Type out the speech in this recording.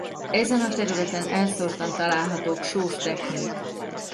Ezen a területen elszórtan találhatók sós teknők.